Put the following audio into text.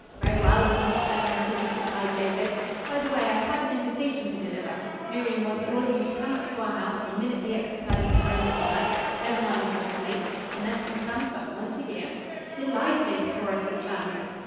"Very well, if you spurn the truth," replied David. "By the way, I have an invitation to deliver. Miriam wants all of you to come up to our house the minute the exercises are over to night. Never mind if it is late. Commencement comes but once a year." "De lighted," chorused the chums.